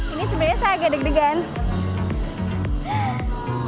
ini sebenarnya saya agak deg degan